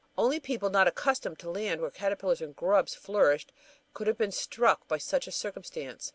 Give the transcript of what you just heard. Only people not accustomed to land where caterpillars and grubs flourished would have been struck by such a circumstance.